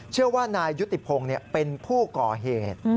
เชื่อว่านายยุติพงศ์เป็นผู้ก่อเหตุ